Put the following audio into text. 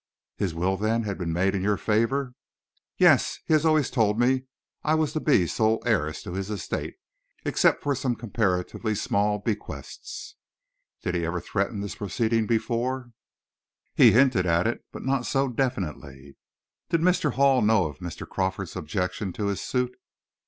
"His will, then, has been made in your favor?" "Yes; he has always told me I was to be sole heiress to his estate, except for some comparatively small bequests." "Did he ever threaten this proceeding before?" "He had hinted it, but not so definitely." "Did Mr. Hall know of Mr. Crawford's objection to his suit?"